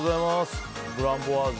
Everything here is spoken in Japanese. フランボワーズ。